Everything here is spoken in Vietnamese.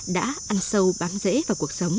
đã ăn sâu bán rễ vào cuộc sống